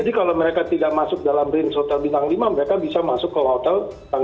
jadi kalau mereka tidak masuk dalam range hotel bintang lima mereka bisa masuk ke hotel tang dua